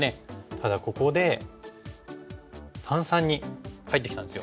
ただここで三々に入ってきたんですよ。